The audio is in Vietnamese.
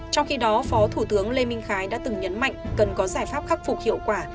trong khi đó phó thủ tướng lê minh khái đã từng nhấn mạnh cần có giải pháp khắc phục hiệu quả